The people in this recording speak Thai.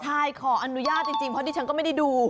ใช่ขออนุญาตจริงเพราะดิฉันก็ไม่ได้ดู